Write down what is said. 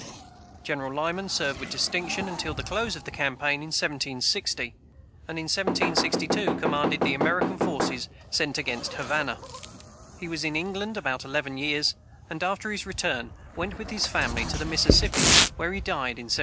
General Lyman served with distinction until the close of the campaign in 1760, and in 1762 commanded the American forces sent against Havana. He was in England about eleven years, and, after his return, went with his family to the Mississippi, where he died in 1788.